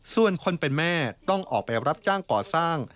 ส่วนคนเป็นแม่ต้องออกไปรับจ้างก่อสร้าง